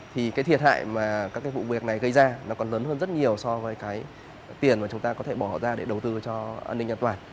thì cái thiệt hại mà các cái vụ việc này gây ra nó còn lớn hơn rất nhiều so với cái tiền mà chúng ta có thể bỏ ra để đầu tư cho an ninh an toàn